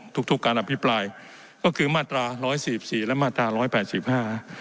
ทุกทุกการอภิปรายก็คือมาตราร้อยสี่สี่และมาตราร้อยแปดสิบห้า